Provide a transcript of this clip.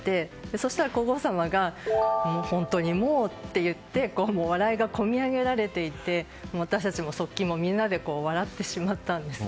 そうしたら皇后さまが本当にもうと言って笑いがこみ上げられていて私たちも側近もみんなで笑ってしまったんですね。